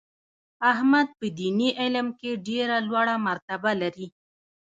احمد په دیني علم کې ډېره لوړه مرتبه لري.